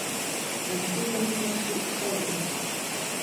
Гасцей яны знайшлі ў салоне.